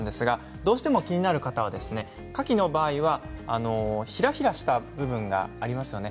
どうしても気になる方はカキの場合はひらひらした部分がありますよね。